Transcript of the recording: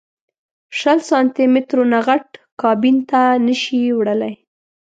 شل سانتي مترو نه غټ کابین ته نه شې وړلی.